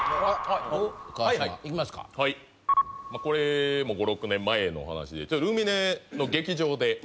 これも５６年前の話で。